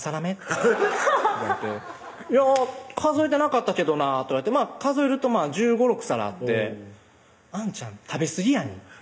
言われて「いや数えてなかったけどな」とか言って数えると１５１６皿あって「あんちゃん食べすぎやねん」